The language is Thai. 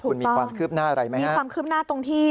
ถูกต้องความคืบหน้าอะไรไหมค่ะมีความคืบหน้าตรงที่